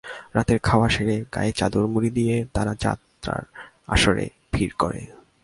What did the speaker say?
রাতের খাওয়া সেরে, গায়ে চাদর মুড়ো দিয়ে তারা যাত্রার আসরে ভিড় করে।